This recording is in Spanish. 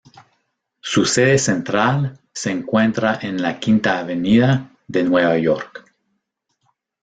Su sede central se encuentra en la Quinta Avenida de Nueva York.